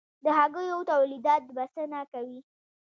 د هګیو تولیدات بسنه کوي؟